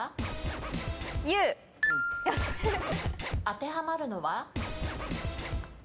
当てはまるのは？